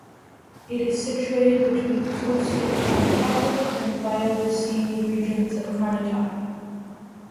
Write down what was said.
It is situated between Coastal Karnataka and Bayaluseeme regions of Karnataka.